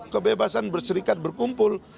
kebebasan berserikat berkumpul